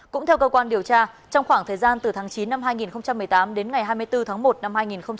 cũng theo cơ quan điều tra trong khoảng thời gian từ tháng chín năm hai nghìn một mươi tám đến ngày hai mươi bốn tháng một năm hai nghìn một mươi chín